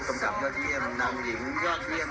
สำหรับยอดเยี่ยมนำหญิงยอดเยี่ยม